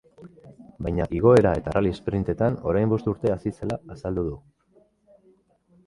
Baina igoera eta rally sprint-etan orain bost urte hasi zela azaldu du.